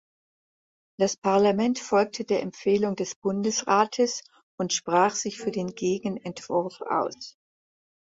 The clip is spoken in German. Das Parlament folgte der Empfehlung des Bundesrates und sprach sich für den Gegenentwurf aus.